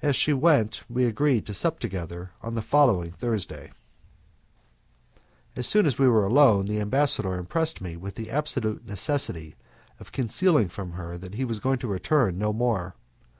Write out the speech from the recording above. As she went we agreed to sup together on the following Thursday. As soon as we were alone the ambassador impressed me with the absolute necessity of concealing from her that he was going to return no more.